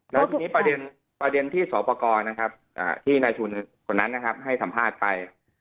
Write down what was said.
แล้วทีนี้ประเด็นที่สอบประกอบนะครับที่นายทุนคนนั้นนะครับให้สัมภาษณ์ไป